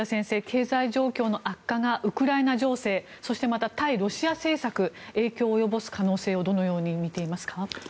経済状況の悪化がウクライナ情勢そしてまた対ロシア政策影響を及ぼす可能性をどのように見ていますか？